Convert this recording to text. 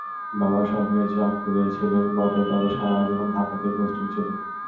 বাবা সরকারি চাকুরে ছিলেন বটে, তবে সারা জীবন ঢাকাতেই পোস্টিং ছিল।